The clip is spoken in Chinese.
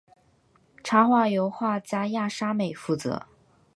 插画由画家亚沙美负责。